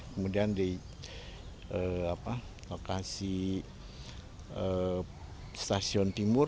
kemudian di lokasi stasiun timur